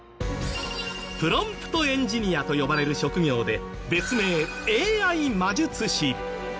プロンプトエンジニアと呼ばれる職業で別名ＡＩ魔術師。